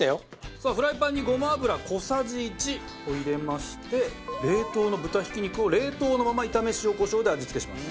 さあフライパンにごま油小さじ１を入れまして冷凍の豚ひき肉を冷凍のまま炒め塩こしょうで味付けします。